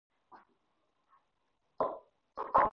وخت په وخت ډاکټر ته تلل مهم دي.